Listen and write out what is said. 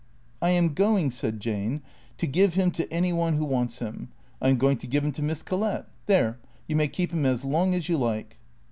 " I am going," said Jane, " to give him to any one who wants 344 THECEEATORS him. I am going to give him to Miss Collett. There — you may keep him as long as you like."